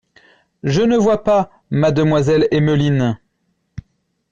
Je ne vois pas mademoiselle Emmeline…